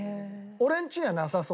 俺んちにはなさそう？